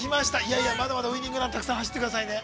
◆いや、まだまだウイニングラン、たくさん走ってくださいね。